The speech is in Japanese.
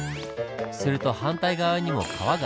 すると反対側にも川があるはず。